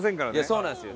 そうなんですよ。